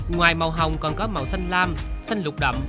ngoài màu hồng còn có màu xanh lam xanh lục đậm